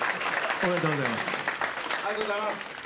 ありがとうございます。